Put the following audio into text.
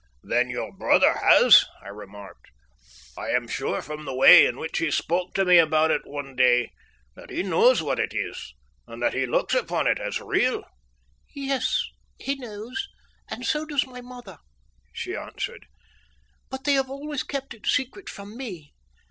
"Then your brother has," I remarked. "I am sure from the way in which he spoke to me about it one day that he knows what it is, and that he looks upon it as real." "Yes, he knows, and so does my mother," she answered, "but they have always kept it secret from me.